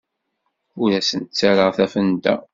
Ur asent-ttarraɣ tafenda.